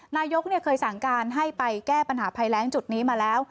นายกเคยสั่งการให้ไปแก้ปัญหาภัยแรงจุดนี้มาแล้ว